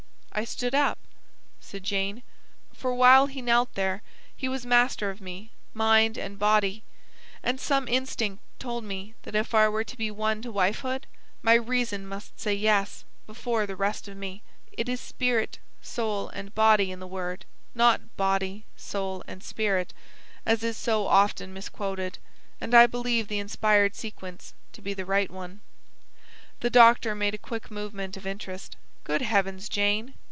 "I stood up," said Jane; "for while he knelt there he was master of me, mind and body; and some instinct told me that if I were to be won to wifehood, my reason must say `yes' before the rest of me. It is `spirit, soul, and body' in the Word, not `body, soul, and spirit,' as is so often misquoted; and I believe the inspired sequence to be the right one." The doctor made a quick movement of interest. "Good heavens, Jane!"